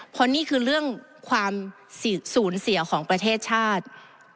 เพราะนี่คือเรื่องความสูญเสียของประเทศชาติ